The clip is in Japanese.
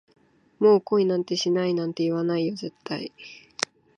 もう恋なんてしないなんて、言わないよ絶対